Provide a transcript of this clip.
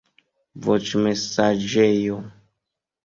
voĉmesaĝejo